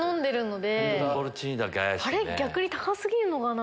あれ逆に高過ぎるのかな。